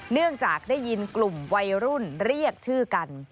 เนื่องจากได้ยินกลุ่มวัยรุ่นเรียกชื่อกัน